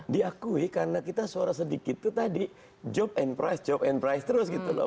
diakui karena kita suara sedikit itu tadi job and price job and price terus gitu loh